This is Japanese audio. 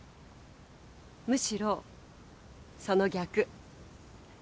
むしろその逆。